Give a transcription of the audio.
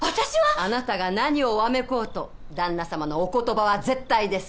あなたが何をわめこうと旦那様のお言葉は絶対です。